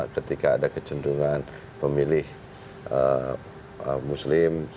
ketika ada kecenderungan pemilih muslim